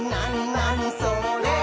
なにそれ？」